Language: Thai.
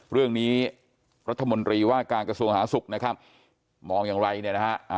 เรื่องนี้รัฐมนตรีว่าการกระทรวงอาศักดิ์มองอย่างไรนะครับ